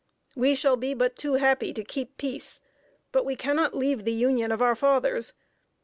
We shall be but too happy to keep peace, but we cannot leave the Union of our fathers.